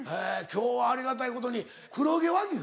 今日はありがたいことに黒毛和牛？